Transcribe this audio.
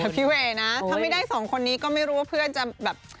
พี่เวย์นะถ้าไม่ได้สองคนนี้ก็ไม่รู้ว่าเพื่อนจะแบบ